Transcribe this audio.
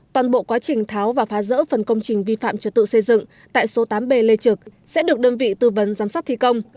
toàn bộ quá trình tháo và phá rỡ phần công trình vi phạm trật tự xây dựng tại số tám b lê trực sẽ được đơn vị tư vấn giám sát thi công